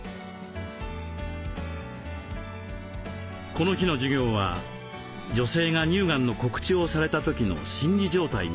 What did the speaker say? この日の授業は女性が乳がんの告知をされた時の心理状態について。